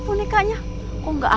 b choir bentong allahan